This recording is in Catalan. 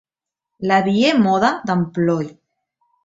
La vie mode d'emploi.